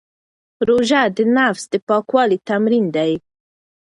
روژه د نفس د پاکوالي تمرین دی.